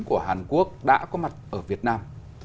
của hàn quốc đã có mặt ở việt nam